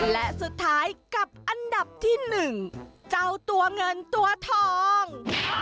และสุดท้ายกับอันดับที่๑เจ้าตัวเงินตัวทอง